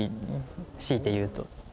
強いて言うと。